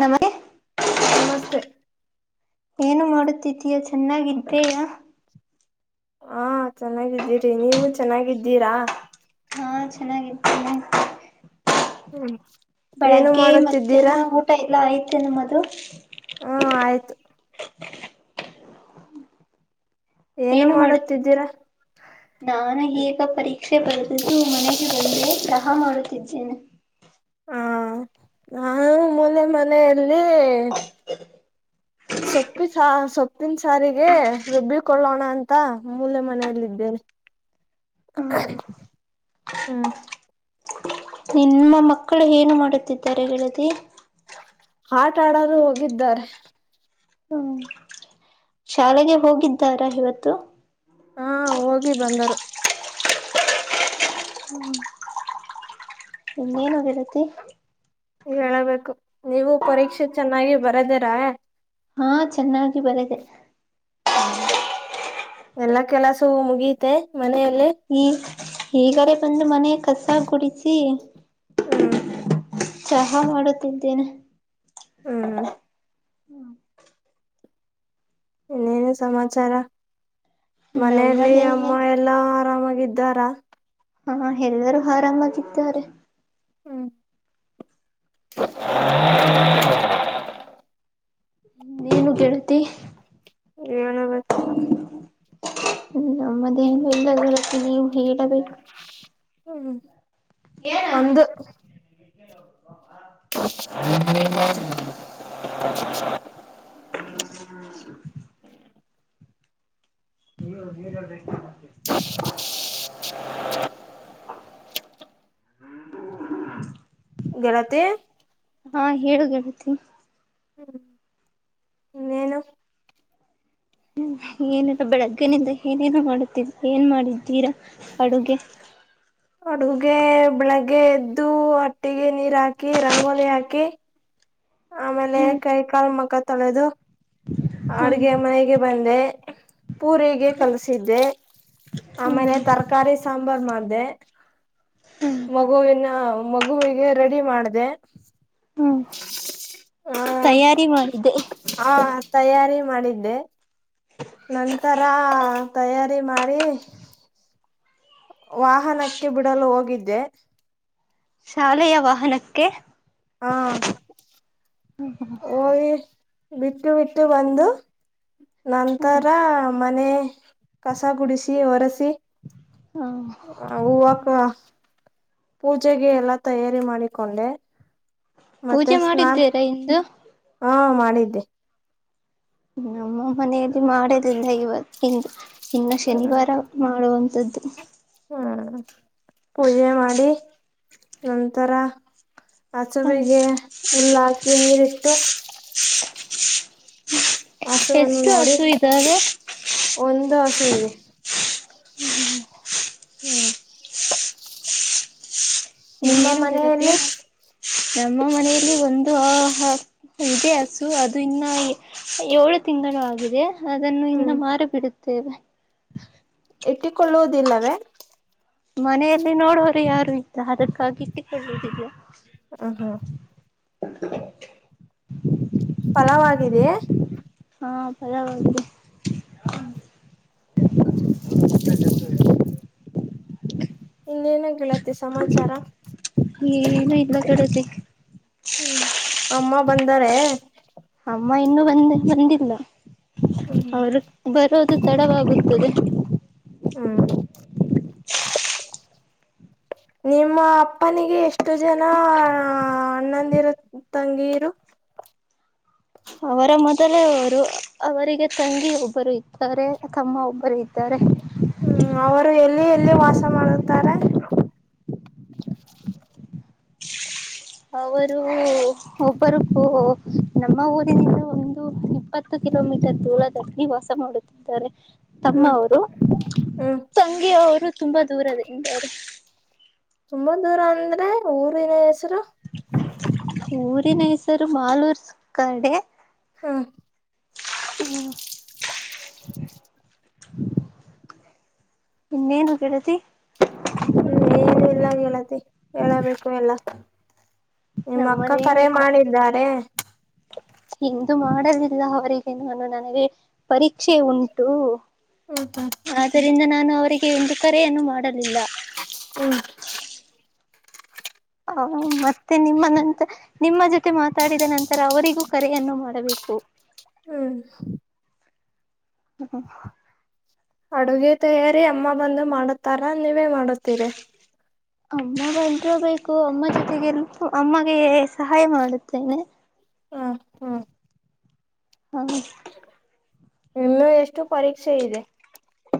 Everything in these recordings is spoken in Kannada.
ನಮನೆ ನಮಸ್ತೆ ಏನು ಮಾಡುತ್ತಿದ್ದೀಯಾ ಚೆನ್ನಾಗಿದ್ದಯ ಹಾ ಚೆನ್ನಾಗಿದ್ದೀರಿ ನೀವು ಚೆನ್ನಾಗಿದ್ದೀರಾ ಹಾ ಚೆನ್ನಾಗಿದ್ದೇಿ ಏನು ಬೆಳಗ್ಗೆ ಮಾಡುತ್ತಿದ್ದೀರಾ ಮಧ್ಯಾಹ್ನ ಊಟ ಎಲ್ಲ ಆಐ್ತೆ ನಮ್ಮದು ಹಾ ಆಯ್ತು ಏನು ಮಾಡುತ್ತಿದ್ದೀರಾ ನಾನು ಈಗ ಪರೀಕ್ಷೆ ಬರೆದಿದ್ದು ಮನೆಗೆ ಬಂದೆ ಚಹಾ ಮಾಡ ಕೆಜನು ಹಾ ನಾನು ಮೂಲೆ ಮನೆಯಲ್ಲಿ ಸೊಪ್ಪಿ ಸೊಪ್ಪಿನ ಸಾರಿಗೆ ರುಬ್ಬಿಕೊಳ್ಳೋಣ ಅಂತ ಮೂಲೆ ಮನೆಯಲ್ಲಿದ್ದೇನೆ ಹ್ಮ್ ಹ್ಮ್ ನಿಮ್ಮ ಮಕ್ಕಳು ಏನು ಮಾಡುತ್ತಿದ್ದಾರೆ ಗೆಳತಿ ಆಟ ಆಡಲು ಹೋಗಿದ್ದಾರೆ ಹ್ಮ್ ಶಾಲೆಗೆ ಹೋಗಿದ್ದಾರಾ ಇವತ್ತು ಹಾ ಹೋಗಿ ಬಂದರು ಹ್ಮ್ ಇನ್ನೇನು ಗೆಳತಿ ಹೇಳಬೇಕು ನೀವು ಪರೀಕ್ಷೆ ಚೆನ್ನಾಗಿ ಬರದಿರಾ ಹಾ ಚೆನ್ನಾಗಿ ಬರೆದೆ ಹ್ಮ್ ಎಲ್ಲಾ ಕೆಲಸವೂ ಮುಗಿಯತೆೆ ಮನೆಯಲ್ಲಿ ಈಗಾರೇ ಬಂದು ಮನೆ ಕಸ ಗುಡಿಸಿ ಹ್ಮ್ ಚಹಾ ಮಾಡುತ್ತಿದ್ದೇನೆ. ಹ್ಮ್ ಹ್ಮ್ ಹ್ಮ [inaudible] ಇನ್ನೇನು ಸಮಾಚಾರ ಮನೆಯಲ್ಲಿ ನಮ್ಮದೆಲ್ಲ ಅಮ್ಮ ಎಲ್ಲಾ ಆರಾಮಾಗಿ ಇದ್ದಾರಾ. ಹಾ ಹೆಲ್ಲರೂ ಹಾರಾಮಾಗಿದ್ದಾರೆ. ಹ್ಮ್ [unintelligible] ನೀನು ಗೆಳ್ತಿ ಏನಬೇಕ. ಹ್ಮ ನಮ್ಮದೇನೂ ಇಲ್ಲ ಗೆಳತಿ ನೀವು ಹೇಳಬೇಕು. ಹ್ಮ್ ಒಂದು [unintelligible] [unintelligible] [inaudible] [unintelligible] [inaudible] ಗೆಳತಿ ಹಾ ಹೇಳು ಗೆಳತಿ. ಇನ್ನೇನು. ಏನಿಲ್ಲ ಬೆಳಗ್ಗೆನಿಂದ ಏನೇನು ಮಾಡುತ್ತಿದ್ದ ಏನ್ ಮಾಡಿದ್ದೀರಾ ಅಡುಗೆ. ಅಡುಗೆ ಬೆಳಗ್ಗೆ ಗೆ ಎದ್ದು ಹಟ್ಟಿಗೆ ನೀರ್ ಹಾಕಿ ರಂಗೋಲಿ ಹಾಕಿ. ಆಮೇಲೆ ಹ್ಮ್ ಕೈ ಕಾಲು ಮಕ್ಕ ತೊಳೆದು ಹ್ಮ್ ಅಡ್ಗೆ ಮನೆಗೆ ಬಂದೆ ಪೂರಿಗೆ ಕಲಸಿದ್ದೆ ಹ್ಮ್ ಆಮೇಲೆ ತರಕಾರಿ ಸಾಂಬಾರ್ ಮಾಡ ದೇ ಹ್ಮ್ ಮಗುವಿನ ಮಗುವಿಗೆ ರೆಡಿ ಮಾಡದೆ. ಹ್ಮ್ ಹಾ ತಯಾರಿ ಮಾಡಿದೆ ಹಾ ತಯಾರಿ ಮಾಡಿದ್ದೆ. ನಂತರ ತಯಾರಿ ಮಾಡಿ ವಾಹನಕ್ಕೆ ಬಿಡಲು ಹೋಗಿದ್ದೆ. ಶಾಲೆಯ ವಾಹನಕ್ಕೆ. ಹಾ ಹೋಗಿ ಬಿಟ್ಟು ಬಿಟ್ಟು ಬಂದು ನಂತರ ಹ ಮನೆ ಕಸ ಹೂವಕ ಪೂಜೆಗೆ ಎಲ್ಲಾ ತಯಾರಿ ಮಾಡಿಕೊಂಡೆ. ಮತ್ತೆ ಪೂಜೆ ಸ್ನಾನ ಮಾಡಿದ್ದೀರಾ ಇಂದು. ಹಾ ಮಾಡಿದ್ದೆ. ನಮ್ಮ ಮನೆಯಲ್ಲಿ ಮಾಡದಿಲ್ಲ ಇವತಿಂದ ಇನ್ನು ಶನಿವಾರ ಮಾಡುವ ದ ಹ್ಮ ಪೂಜೆ ಮಾಡಿ ನಂತರ ಆ ಹ ಹಸುವಿಗೆ ಹುಲ್ಲ ಹಾಕಿ ನೀರಿಟ್ಟು [unintelligible] ಹಸುವನ್ನು ಎಷ್ಟು ನೋಡಿ ಹಸು ಇದ್ದಾವೆ ಒಂದು ಹಸು ಇದೆ. ಹ್ಮ [unintelligible] ಹ್ಮ್ ಇ ನಿಮ್ಮ ಏನಂದಿರತ್ತ ಮನೆಯಲ್ಲಿ ನಮ್ಮ ಮನೆಯಲ್ಲಿ ಒಂದು ಇದೇ ಹಸು ಅದು ಇನ್ನ ಏಳು ತಿಂಗಳು ಆಗಿದೆ. ಅದನ್ನು ಇನ್ನ ಹ್ಮ್ ಮಾರಿ ಬಿಡುತ್ತೇವೆ. ಇಟ್ಟಿಕೊಳ್ಳುವುದಿಲ್ಲವೇ. ಮನೆಯಲ್ಲಿ ನೋಡೋರು ಯಾರು ಇಲ್ಲ ಅದಕ್ಕಾಗಿಟ್ಟುದಿದ್ಯಾ. ಹೂ ಹೂ. [unintelligible] ಫಲವಿದೆಯೇ. ಪಲವಾಗಿದೆ. ಹ್ಮ ಹ [inaudible] ಇನ್ನೇಏನಾಗಳತ್ತ [inaudible] ಏನು ಇಲ್ಲ ಕಡೆದ. ಹ್ಮ್ ಅಮ್ಮ ಬಂದಾರೆ. ಅಮ್ಮ ಇನ್ನುೂ ಬಂದ ಬಂದಿಲ್ಲ ಹ್ಮ್ ಅವರು ಬರೋದು ತಡವಾಗುತ್ತದ. ಹ್ಮ್ [inaudible] ನಿಮ್ಮ ಅಪ್ಪನಿಗೆ ಎಷ್ಟು ಜನ ಅಣ್ಣಂದಿರು ತಂಗೀರು ಅವರ ಮೊದಲೇ ಅವರು ಅವರಿಗೆ ತಂಗಿ ಒಬ್ಬರು ಇತಾರೆ ತಮ್ಮ ಒಬ್ಬರು ಇ ಅಲ್ಲಿ ಎಲ್ಲಿ ವಾಸ ಮಾಡುತ್ತಾರೆ. ಅವರು ಒಬ್ಬರು ನಮ್ಮ ಊರಿನಿಂದ ಒಂದು ಇಪ್ಪತ್ತು. ಕಿಲೋಮೀಟರ್ ದೂರ ವಾಸ ಮಾಡುತ್ತಿದ್ದಾರೆ. ಹ್ಮ್ ತಮ್ಮವರು ಹ್ಮ್ ತಂಗಿಯವರು ತುಂಬಾ ದೂರದಲ್ಲಿದ್ದಾರೆ. ತುಂಬಾ ದೂರ ಅಂದ್ರೆ ಊರಿನ ಹೆಸರು. ಊರಿನ ಹೆಸರು ಮಾಲೂರ್ ಕಡೆ. ಹೂ [unintelligible] ಇನ್ನೇನು ಗೆಳತಿ. ಹ್ಮ್ ಏನು ಇಲ್ಲ ಹೇಳತಿ ಹೇಳಬೇಕು ಎಲ್ಲಾ ನಿಮ್ಮ ಅಕ್ಕ ಕರೆ ಮಾಡಿದ್ದಾರೆ ಇಂದು ಮಾಡಲಿಲ್ಲ ಅವರಿಗೆ ನಾನು ನನಗೆ ಪರೀಕ್ಷೆ ಉಂಟು. ಹ್ಮ್ ಹ್ಮ್ ಆದ್ದರಿಂದ ನಾನು ಅವರಿಗೆ ಒಂದು ಕರೆಯನ್ನು ಮಾಡಲಿಲ್ಲ. ಹ್ಮ ಹ ಮತ್ತೆ ನಿಮ್ಮ ನಂತ ನಿಮ್ಮ ಜೊತೆ ಮಾತಾಡಿದ ನಂತರ ಅವರಿಗೂ ಕರೆಯನ್ನು ಮಾಡಬೇಕು. ಹೂ ಹ್ಮ್ ಹ್ಮ [unintelligible] ಅಡುಗೆ ತಯಾರಿ ಅಮ್ಮ ಬಂದು ಮಾಡುತ್ತಾರ ನೀವೇ ಮಾಡುತ್ತೀರಿ ಅಮ್ಮಟೋ ಬೇಕು ಅಮ್ಮ ಜೊತೆಗೆ ಅಮ್ಮಗೆ ಸಹಾಯ ಮಾಡುತ್ತೇನೆ ಹಾ ಹಾ ಹ್ಮ ಹ ಇನ್ನು ಎಷ್ಟು ಪರೀಕ್ಷೆ ಇದೆ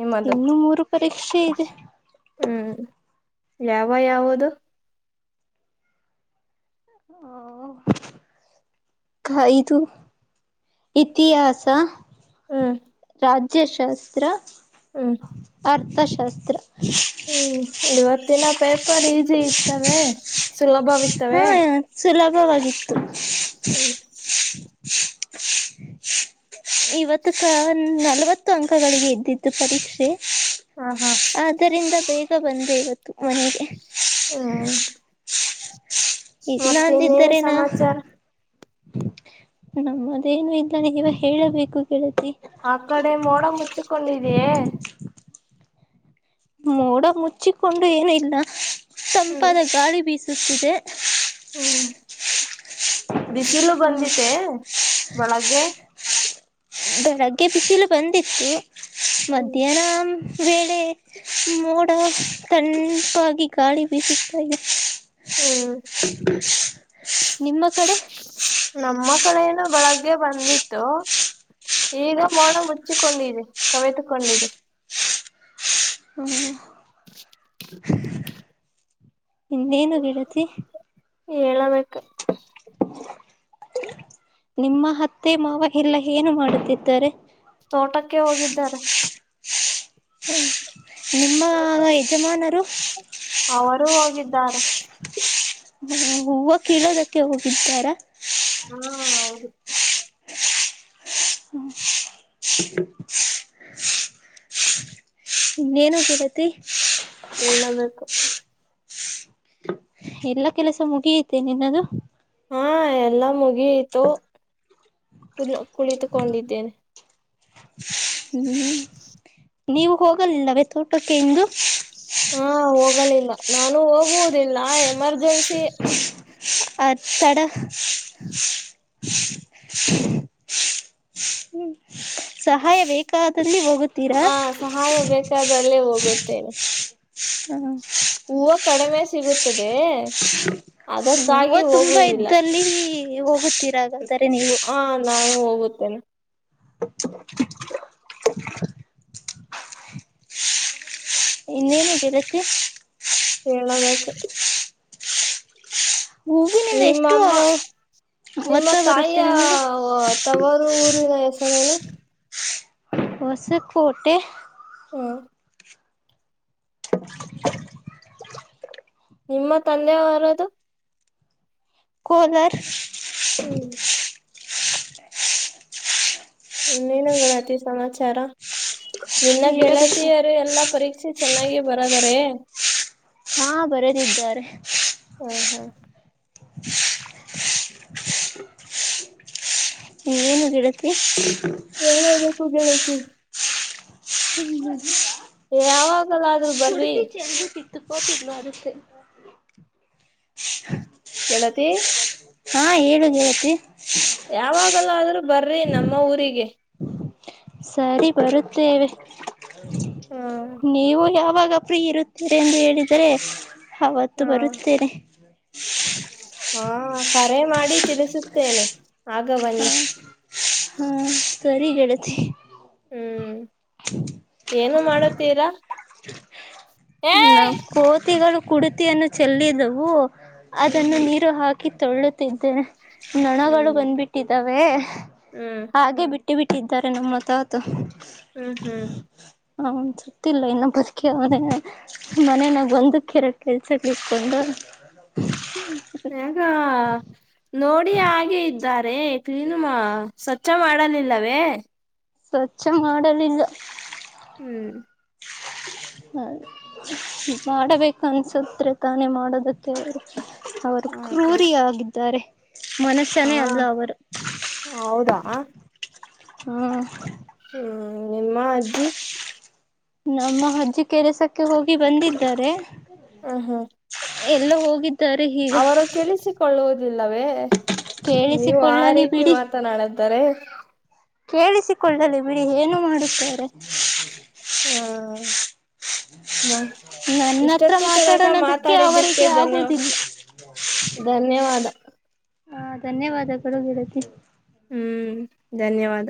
ನಿಮ್ಮದು ಇನ್ನು ಮೂರು ಪರೀಕ್ಷೆ ಇದೆ ಹ್ಮ್ ಯಾವ ಯಾವದು ಹ ಕಾಯ್ದು. ಇತಿಹಾಸ ಹ್ಮ್ ರಾಜ್ಯಶಾಸ್ತ್ರ ಹ್ಮ ಅರ್ಥಶಾಸ್ತ್ರ ಹ್ಮ್ ಇವತ್ತಿನ ಪೇಪರ್ ಈಸಿ ಇತ್ತವೆ ಸುಲಭವಿ ಇತ್ತವೆ. ವಾಗಿತ್ತು. ಹ್ಮ [unintelligible] ಇವತ್ತ ಹ್ಮ ನಲವತ್ತು ಅಂಕಗಳಿಗೆ ಇದ್ದಿದ್ದು ಪರೀಕ್ಷೆ ಹಾ ಹಾ ಆದ್ದರಿಂದ ಬೇ ಬಂದೆ ಇವತ್ತು ಮನೆಗೆ ಹ್ಮ ಈನ್ನ ಅಂದಿದ್ದಾರೇನಾ ಸಮಾಚಾರ ನಮ್ಮದೇನು ಇಲ್ಲ ನೀವ ಹೇಳಬೇಕು ಗೆಳತಿ ಆ ಕಡೆ ಮೋಡ ಮುಚ್ಚಿಕೊಂಡಿಯೇ ಮೋಡ ಮುಚ್ಚಿಕೊಂಡು ಏನಿಲ್ಲ ಹ್ಮ್ ಸಂಂಪಾದ ಗಾಳಿ ಬೀಸುತ್ತಿದೆ ಹ್ಮ್ ಬಿಸಿಲು ಬಂದತೆೆ ಬೆಳಗ್ಗೆ ಬೆಳಗ್ಗೆ ಬಿಸಿಲು ಬಂದಿತ್ತು ಹ್ಮ್ ಮಧ್ಯಾಹ್ನ ವೇಳೆ ಮೋಡ ಕಣಪಾಗಿ ಗಾಳಿ ಬೀಸುತ್ತ ಇ ಹ್ಮ್ ನಿಮ್ಮ ಕಡೆ ನಮ್ಮ ಕಡೆ ಏನ ಬೆಳಗ್ಗೆ ಬಂದಿತ್ತು ಈಗ ಮೋಣ ಮುಚ್ಚಿಕೊಂಡಿದೆ ಕವೆತುಕೊಂಡಿದೆ [inaudible] [inaudible] ಇನ್ನೇನು ಗೆಳತಿ ಹೇಳಬೇಕು ನಿಮ್ಮ ಹತ್ತೆ ಮಾವ ಎಲ್ಲ ಏನು ಮಾಡುತ್ತಿದ್ದಾರೆ ತೋಟಕ್ಕೆ ಹೋಗಿದ್ದಾರೆ ಹ್ಮ ನಿಮ್ಮ ಯಜಮಾನರು ಅವರುೂ ಹೋಗಿದ್ದಾರೆ ಹ್ಮ ಹೂವು ಕಳೋದಕ್ಕೆ ಹೋಗಿದ್ದಾರ ಹಾ ಹೌದುದು ಹ ಇನ್ನೇನು ಗೆಳತಿ ಹೇಳಬೇಕು ಎಲ್ಲ ಕೆಲಸ ಮುಗಿಯತೆ ನಿನ್ನದು ಹಾ ಎಲ್ಲಾ ಮುಗಿಯಿತು ಕುಲ್ ಕುಳಿತುಕೊಂಡಿದ್ದೇನೆ ಹ್ಮ್ ನೀವು ಹೋಗಲಿಲ್ಲವೇ ತೋಟಕ್ಕೆ ಇಂದು ಹಾ ಹೋಗಲಿಲ್ಲ ನಾನು ಹೋಗುವುದಿಲ್ಲ ಎಮರ್ಜೆನ್ಸಿ ಆ [unintelligible] ಸಹಾಯ ಬೇಕಾದಲ್ಲಿ ಹೋಗುತ್ತೀರಾ ಆ ಸಹಾಯ ಬೇಕಾದಲ್ಲಿ ಹೋಗುತ್ತೇನೆ ಹೂವು ಕಡಿಮೆ ಸಿಗುತ್ತದೆ ಹೂವು ಅದಕ್ಕಾಗಿ ಹೋಗುವುದಿಲ್ಲ ಗೊತ್ತಿರಾಗಾದರೆ ನೀವು ಹ ನಾನು ಹೋಗುತ್ತೇನೆ ಹ ಇನ್ನೇನು ಗೆಳತಿ ಹೇಳಬೇಕು ಹೂವಿನಿಂದ ಎಷ್ಟು ನಿಮ್ಮಮ್ಮ ನಿಮ್ಮ ಮೊತ್ತ ಬರುತ್ತೆ ತಾಯಿಯ ನಿಮಗೆ ತವರು ಊರಿನ ಹೆಸರೇನು ಹೊಸಕೋಟೆ ಹಾ ಹ ನಿಮ್ಮ ತಂದೆವ ಯಾರದು ಕೋಲರ್ ಹ್ಮ್ ಇನ್ನನು ಗಣತಿ ಸಮಾಚಾರ ನಿನ್ನ ನೀಡಬೇಕು ಗೆಳತಿಯರು ಎಲ್ಲಾ ಪರೀಕ್ಷಿ ಚೆನ್ನಾಗ ಬರದಾರೆ ಹಾ ಬರದಿದ್ದಾರೆ ಹ್ಮ ಹಾ ಇನ್ನೇನು ಗೆಳತಿ ಹೇಬೇಕು ಗೆಳತಿ ಪಿನ್ನು ಯಾವಾಗಲ್ಲ ಆದ್ರ್ ಬರ್ ರು ಚೆಜ ಸಿತ್ತುಪತಿದ್ದಲ ಅರು ಸ ಕೇಳತಿ ಹಾ ಹೇಳು ಗೆಳತಿ ಯಾವಾಗಲ್ಲ ಆದ್ರೂ ಬರ್ರಿ ನಮ್ಮ ಊರಿಗೆ ಸರಿ ಬರುತ್ತೇವೆ ಹ ನೀವು ಯಾವಾಗ ಆಗ ಫ್ರೀ ಇರುತ್ತೇರಿ ಎಂದು ಹೇಳಿದರೆ ಅವತ್ತು ಬರುತ್ತೇನೆ ಹಾ ಕರೆ ಮಾಡಿ ತಿಳಿಸುತ್ತೇನೆ ಆಗ ಹ ಬನ್ನಿ ಹಾ ಸರಿಗೆಡತಿ ಹ್ಮ್ ಏನು ಮಾಡತೀರಾ ನಾವು ಕೋತಿಗಳು ಕುಡ್ತಿಯನ್ನು ಚೆಲ್ಲಿದವು ಹ್ಮ್ ಅದನ್ನು ಹ್ಮ್ ನೀರು ಹಾಕಿ ತೊಳ್ಳುತ್ತಿದ್ದನೆ ನೊಣಗಳು ಹ್ಮ್ ಬಂದ್ಬಿಟ್ಟಿದ್ದಾವೆ ಹ್ಮ್ ಹಾಗೆ ಬಿಟ್ಟ ಇ ಬಿಟ್ಟಿದ್ದಾರೆ ನಮ್ಮ ತೋತು ಹ್ಮ್ ಹ್ಮ್ ಅವ್ನು ಸತ್ತಿಲ್ಲ ಇನ್ನು ಬದುಕಿಯಾವ್ನೆ ಮನನಾಗ ಒಂದಕ್ಕಿರ ಕೆಲ್ಸಕ್ಕೆತ್ಕೊಂಡು ಯಗ ನೋಡಿ ಹಾಗೆ ಇದ್ದ ದ್ದಾರೆ ಕ್ಲೀನು ಮಾ ಸ್ವಚ್ ಮಾಡಲಿಲ್ಲವೇ ಸ್ವಚ್ಛ ಮಾಡಲಿಲ್ಲ ಹ್ಮ್ ಹ ಮಾಡಬೇಕ ಅನ್ಸತ್ದ್ರೆ ತಾನೇ ಮಾಡೋದಕ್ಕೆ ಅವರು ಅವರು ಹ ಹಾ ಕ್ರೂರಿ ಆಗಿದ್ದಾರೆ ಹಾ ಹೌದಾ ಹಾ ಹ್ಮ್ ನಿಮ್ಮ ಅಜ್ಜಿ ನಮ್ಮ ಅಜ್ಜಿ ಕೆರೆಸಕ್ಕೆ ಹೋಗಿ ಬಂದಿದ್ದಾರೆ ಹ ಹ್ಮ್ ಎಲ್ಲೂ ಹೋಗಿದ್ದ ಅವರು ಕೇಳಿಸಿಕೊಳ್ಳುವುದಿಲ್ಲವೇ ನೀವು ಆ ಕೇಳಿಸಿಕೊಳ್ಳಲಿ ರೀತಿ ಬಿಡಿ ಮಾತನಾಡದು ತಾರೆ ಕೇಳಿಸಿಕೊಳ್ಳಲಿ ಬಿಡಿ ಏನು ಮಾಡುತ್ತಾರೆ ಹಾ ಹ್ಮ ನನ್ನ ಹತ್ರ ಇಷ್ಟೊತ್ತಿ ತನಕ ಮಾತಾಡೋಣದಕ್ಕೆ ಮಾತಾಡಿದ್ದಕ್ಕೆ ಅವರಿಗೆ ಧನ್ಯ ಆಗುವುದಿಲ್ಲ ಧನ್ಯವಾದ ಹಾ ಧನ್ಯವಾದಗಳು ಗೆಳತಿ ಹ್ಮ್ ಧನ್ಯವಾದ